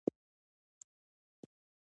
د خاورې ساتنه وکړئ! چې بيا کوټې ترې جوړې کړئ.